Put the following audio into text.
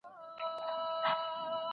ځینې خلک په نیمه شپه وېښېږي.